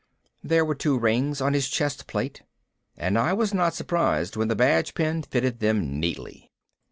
There were two rings on his chest plate, and I was not surprised when the badge pin fitted them neatly.